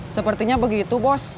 sepertinya begitu bos